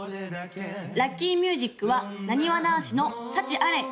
・ラッキーミュージックはなにわ男子の「サチアレ」